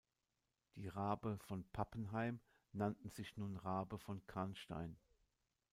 Die Rabe von Pappenheim nannten sich nun Rabe von Canstein.